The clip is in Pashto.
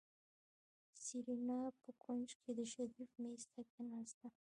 سېرېنا په کونج کې د شريف مېز ته کېناستله.